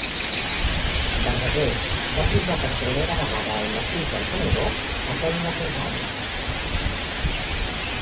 Verdaguer va pujar per primera vegada al massís del Canigó aquell mateix any.